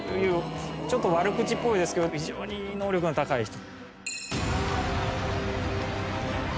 ちょっと悪口っぽいですけど非常に能力が高い人。